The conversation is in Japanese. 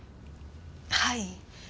はい。